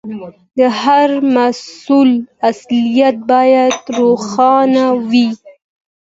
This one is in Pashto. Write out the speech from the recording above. د هر محصول اصليت باید روښانه وي.